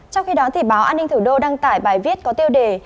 trong khi đó báo an ninh thủ đô đăng tải bài viết có tiêu đề